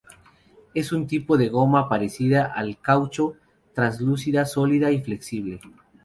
Es un tipo de goma parecida al caucho, translúcida, sólida y flexible.